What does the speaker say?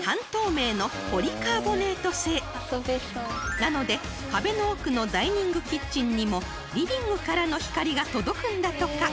なので壁の奥のダイニングキッチンにもリビングからの光が届くんだとか］